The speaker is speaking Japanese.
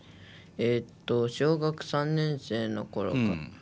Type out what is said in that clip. えっと小学３年生の頃から。